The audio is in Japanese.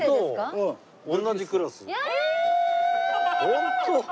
ホント！？